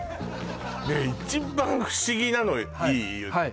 一番不思議なのいい？